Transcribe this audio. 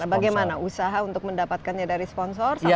bagaimana usaha untuk mendapatkannya dari sponsor